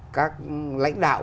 các lãnh đạo